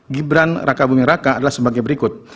gibran raka buming raka adalah sebagai berikut